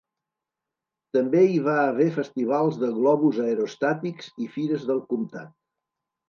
També hi va haver festivals de globus aerostàtics i fires del comtat.